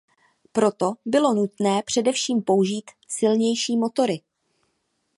Proto bylo nutné především použít silnější motory.